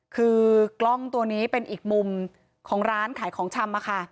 คือกล้องตัวนี้เป็นอีกมุมของร้านขายของชำอะค่ะ